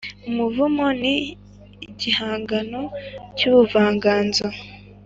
Umuvugo ni igihangano cy’ubuvanganzo